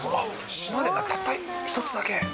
島でたった一つだけ？